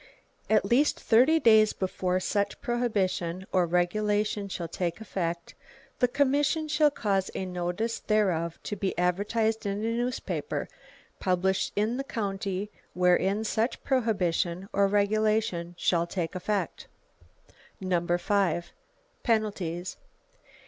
At least thirty days before such prohibition or regulation shall take effect the commission shall cause a notice thereof to be advertised in a newspaper published in the county wherein such prohibition or regulation shall take effect. 5. Penalties.